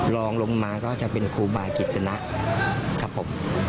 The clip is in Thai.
รองลงมาก็จะเป็นครูบากิจสนะครับผม